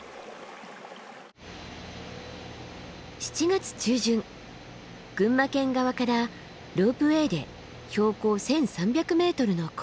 ７月中旬群馬県側からロープウエーで標高１，３００ｍの高原へ。